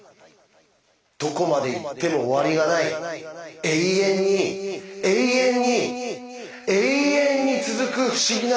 どこまで行っても終わりがない永遠に永遠にえいえんに続く不思議な世界。